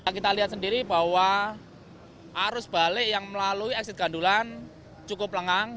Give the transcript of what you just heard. kita lihat sendiri bahwa arus balik yang melalui exit gandulan cukup lengang